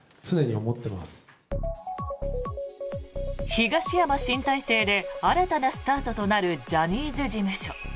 東山新体制で新たなスタートとなるジャニーズ事務所。